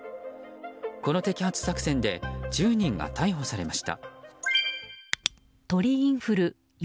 この摘発作戦で１０人が逮捕されました。